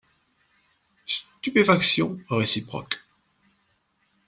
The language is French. Stupéfaction réciproque.